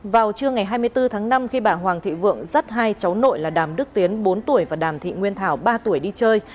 vào trưa ngày hai mươi bốn tháng năm khi bà hoàng thị vượng dắt hai cháu nội là đàm đức tiến bốn tuổi và đàm thị nguyên thảo ba tuổi đi chơi